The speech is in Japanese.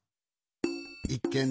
いっけん